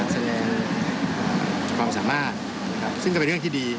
แสดงความสามารถซึ่งก็เป็นเรื่องที่ดี